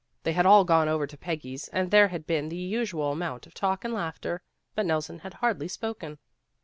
They had all gone over to Peggy's, and there had been the usual amount of talk and laughter, but Nelson had hardly spoken.